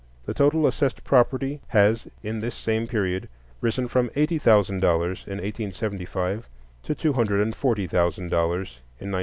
The total assessed property has in this same period risen from eighty thousand dollars in 1875 to two hundred and forty thousand dollars in 1900.